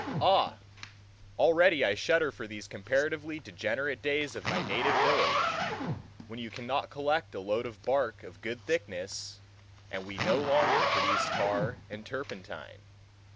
Ah! already I shudder for these comparatively degenerate days of my native village, when you cannot collect a load of bark of good thickness, and we no longer produce tar and turpentine.